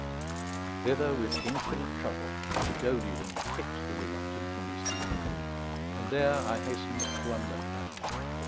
Thither, with infinite trouble, I goaded and kicked the reluctant Modestine, and there I hastened to unload her.